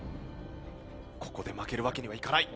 ここで負けるわけにはいかない！